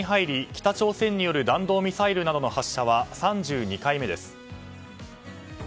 北朝鮮による弾道ミサイルなどの発射は３２回目です。